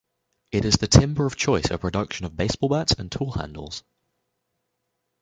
It is the timber of choice for production of baseball bats and tool handles.